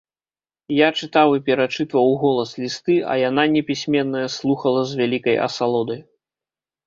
Я чытаў і перачытваў уголас лісты, а яна, непісьменная, слухала з вялікай асалодай.